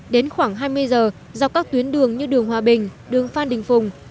đến khoảng hai mươi giờ dọc các tuyến đường như đường hòa bình đường phan đình phùng